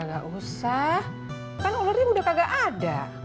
gak usah kan ulernya udah kagak ada